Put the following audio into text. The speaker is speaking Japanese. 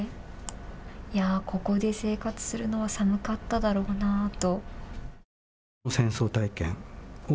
ここで生活するのは寒かっただろうなと。